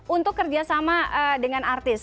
untuk kerja sama dengan artis